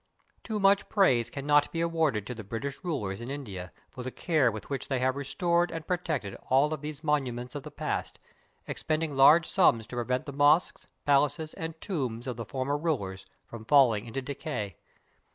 Too much praise cannot be awarded to the British rulers in India, for the care with which they have restored and protected all of these monuments of the past, expending large sums to prevent the mosques, palaces and tombs of the former rulers from falling into decay.